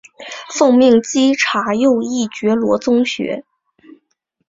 奉命稽查右翼觉罗宗学。